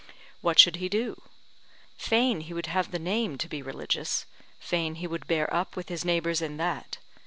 What should he do? fain he would have the name to be religious, fain he would bear up with his neighbours in that.